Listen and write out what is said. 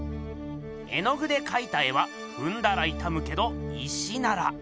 絵の具でかいた絵はふんだらいたむけど石なら。